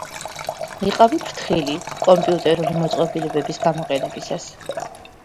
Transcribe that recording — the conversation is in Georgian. იყავი ფრთილი კომპიუტერული მოწყობილობების გამოყენებისას